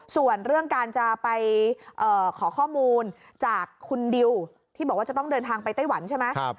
ส่วนเรื่องการจะไปขอข้อมูลจากคุณดิวที่บอกว่าจะต้องเดินทางไปไต้หวันใช่ไหม